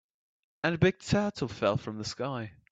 And a big turtle fell from the sky.